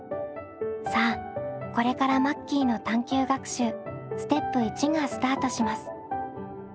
さあこれからマッキーの探究学習ステップ①がスタートします。